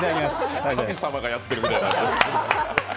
神様がやってるみたい。